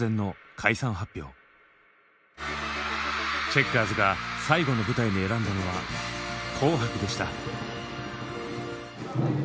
チェッカーズが最後の舞台に選んだのは「紅白」でした。